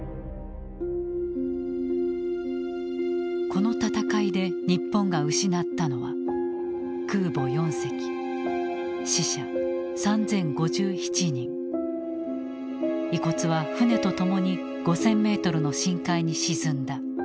この戦いで日本が失ったのは遺骨は船と共に５，０００メートルの深海に沈んだ。